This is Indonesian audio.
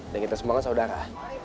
dan kita semua kan saudara